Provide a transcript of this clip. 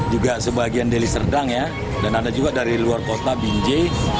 juga sebagian deli serdang ya dan ada juga dari luar kota binje